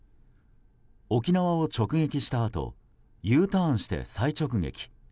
沖縄を直撃したあとＵターンして再直撃。